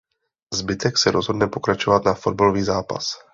Zbytek se rozhodne pokračovat na fotbalový zápas.